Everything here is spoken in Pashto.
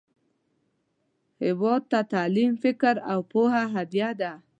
هیواد ته تعلیم، فکر، او پوهه هدیه ده